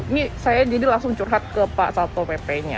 ini saya jadi langsung curhat ke pak satpol pp nya